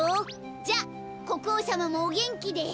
じゃこくおうさまもおげんきで。